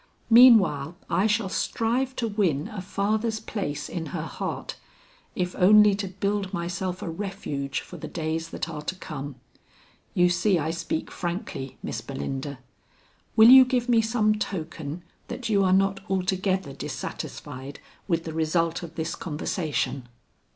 Meanwhile I shall strive to win a father's place in her heart, if only to build myself a refuge for the days that are to come. You see I speak frankly, Miss Belinda; will you give me some token that you are not altogether dissatisfied with the result of this conversation?"